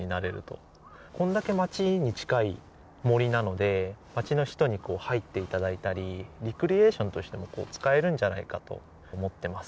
これだけ町に近い森なので町の人に入っていただいたりレクリエーションとしても使えるんじゃないかと思っています。